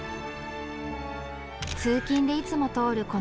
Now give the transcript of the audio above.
通勤でいつも通る